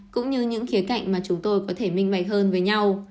cũng như những khía cạnh mà chúng tôi có thể minh mảy hơn với nhau